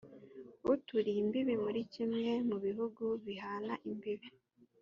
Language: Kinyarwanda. uturiye imbibi muri kimwe mu bihugu bihana imbibi